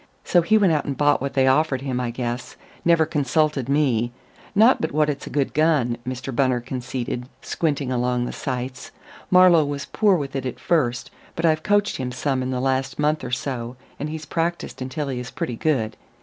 So he went out and bought what they offered him, I guess never consulted me. Not but what it's a good gun," Mr. Bunner conceded, squinting along the sights. "Marlowe was poor with it at first, but I've coached him some in the last month or so, and he's practised until he is pretty good.